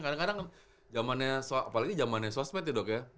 kadang kadang jamannya apalagi jamannya sosmed ya dok ya